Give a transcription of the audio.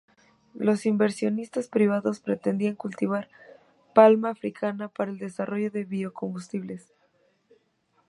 Los inversionistas privados pretendían cultivar Palma africana para el desarrollo de biocombustibles.